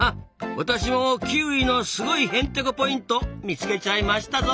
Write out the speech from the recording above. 私もキーウィのすごいへんてこポイント見つけちゃいましたぞ！